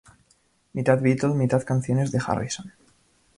Mitad Beatle, mitad canciones de Harrison.